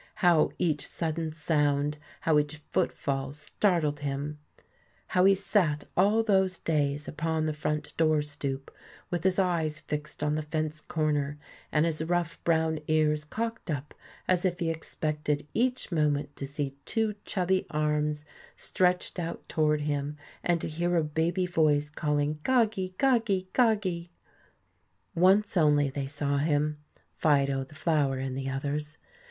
How each sudden sound, how each footfall, startled him! How he sat all those days upon the front door stoop, with his eyes fixed on the fence corner and his rough brown ears cocked up as if he expected each moment to see two chubby arms stretched out toward him and to hear a baby voice calling "Goggie, goggie, goggie." Once only they saw him, Fido, the flower, and the others.